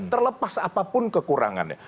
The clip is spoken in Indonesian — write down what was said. terlepas apapun kekurangannya